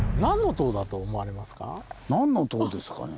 何の塔ですかね。